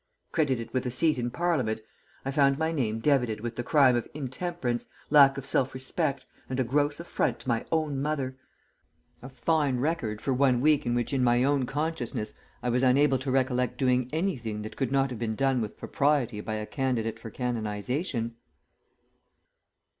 Credited with a seat in Parliament, I found my name debited with the crime of intemperance, lack of self respect, and a gross affront to my own mother; a fine record for one week in which in my own consciousness I was unable to recollect doing anything that could not have been done with propriety by a candidate for canonization."